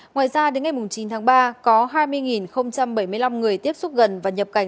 ngoài ra đến ngày chín tháng ba có hai mươi bảy mươi năm người tiếp xúc gần và nhập cảnh